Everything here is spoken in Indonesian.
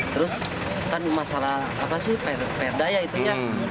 terus kan masalah apa sih perda ya itunya